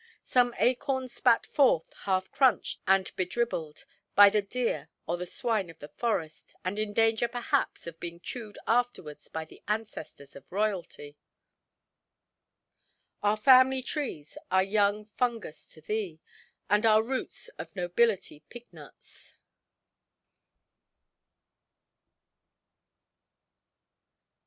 Some acorn spat forth, half–crunched and bedribbled, by the deer or the swine of the forest, and in danger perhaps of being chewed afterwards by the ancestors of royalty—our family–trees are young fungus to thee, and our roots of nobility pignuts.